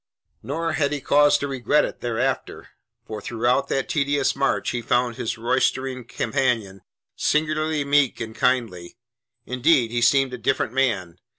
Nor had he cause to regret it thereafter, for throughout that tedious march he found his roystering companion singularly meek and kindly. Indeed he seemed a different man.